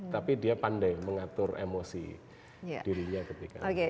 tapi dia pandai mengatur emosi dirinya ketika